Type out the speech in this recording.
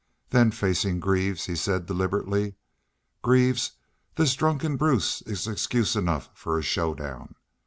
Then facin' Greaves, he said, deliberately: 'Greaves, this drunken Bruce is excuse enough fer a show down.